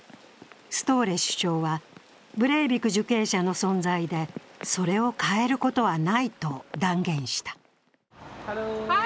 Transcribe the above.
ストーレ首相はブレイビク受刑者の存在でそれを変えることはないと断言した。